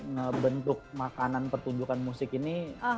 ngebentuk makanan pertunjukan musik ini